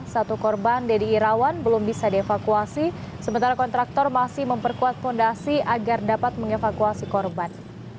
satu korban deddy irawan belum bisa dievakuasi sementara kontraktor masih memperkuat fondasi agar dapat mengevakuasi korban